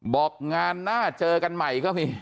บอกงานหน้าเจอกันใหม่ก็มี